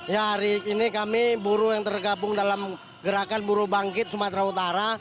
ya hari ini kami buruh yang tergabung dalam gerakan buruh bangkit sumatera utara